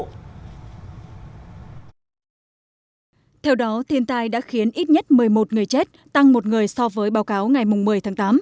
theo đó thiên tai đã khiến ít nhất một mươi một người chết tăng một người so với báo cáo ngày một mươi tháng tám